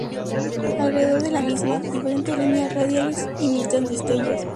Alrededor de la misma, diferentes líneas radiales imitan destellos.